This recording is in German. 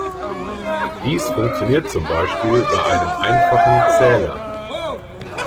Dies funktioniert zum Beispiel bei einem einfachen Zähler.